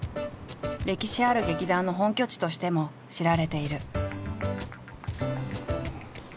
歴史ある劇団の本拠地としても知られている。